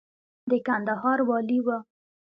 د کندهار والي و.